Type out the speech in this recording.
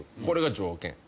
これが条件」